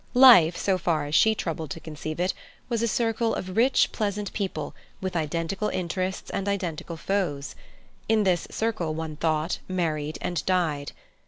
Life, so far as she troubled to conceive it, was a circle of rich, pleasant people, with identical interests and identical foes. In this circle, one thought, married, and died.